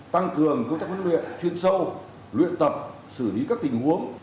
tăng cường công tác huấn luyện chuyên sâu luyện tập xử lý các tình huống